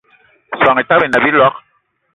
Soan Etaba ine a biloig